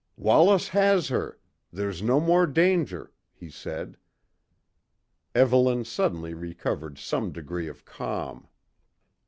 "Wallace has her! There's no more danger," he said. Evelyn suddenly recovered some degree of calm.